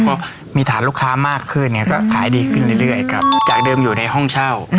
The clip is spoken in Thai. ก็มีฐานลูกค้ามากขึ้นไงก็ขายดีขึ้นเรื่อยครับจากเดิมอยู่ในห้องเช่า